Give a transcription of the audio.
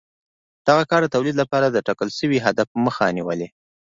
دغه کار د تولید لپاره د ټاکل شوي هدف مخه نیوله